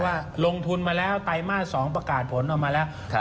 เพราะว่าลงทุนมาแล้วไตมาสองประกาศผลออกมาแล้วครับ